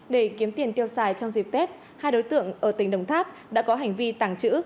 để kiếm tiền tiêu xài trong dịp tết hai đối tượng ở tỉnh đồng tháp đã có hành vi tàng trữ